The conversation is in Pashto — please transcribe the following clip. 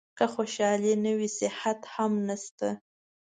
که خوشالي نه وي صحت هم نشته .